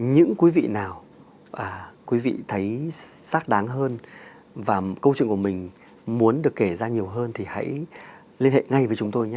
những quý vị nào quý vị thấy xác đáng hơn và câu chuyện của mình muốn được kể ra nhiều hơn thì hãy liên hệ ngay với chúng tôi nhé